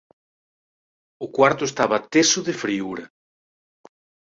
O cuarto estaba teso de friúra.